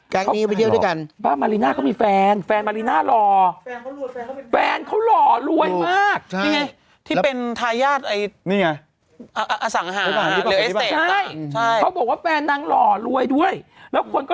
แกงนี้ไปเที่ยวด้วยกัน